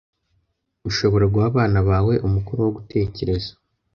Ushobora guha abana bawe umukoro wo gutekereza